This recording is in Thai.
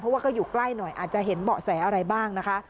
เพราะว่าก็อยู่ใกล้หน่อยอาจจะเห็นเบาะแสอะไรบ้างนะคะ